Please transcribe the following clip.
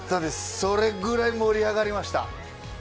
それぐらい盛り上がりました。